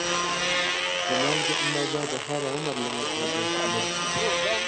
د مالګې اندازه د هر عمر له مخې توپیر لري.